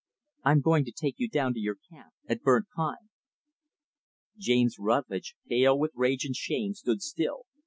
"I'm going to take you down to your camp at Burnt Pine." James Rutlidge, pale with rage and shame, stood still.